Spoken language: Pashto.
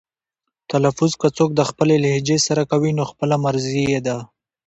تلفظ که څوک د خپلې لهجې سره کوي نو خپله مرزي یې ده.